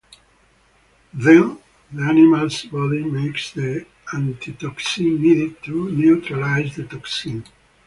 Then, the animal's body makes the antitoxin needed to neutralize the toxin.